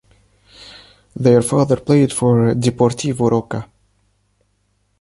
Their father played for Deportivo Roca.